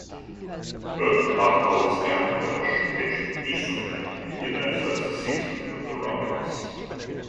Both Buchholz and Hirsh pitched decently in their first season with the Rockies.